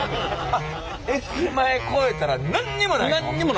越えたら何にもないの？